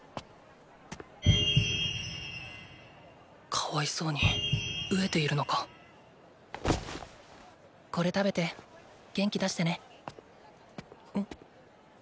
かわいそうに飢えているのかこれ食べて元気出してね。